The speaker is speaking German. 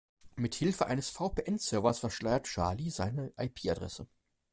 Mithilfe eines VPN-Servers verschleiert Charlie seine IP-Adresse.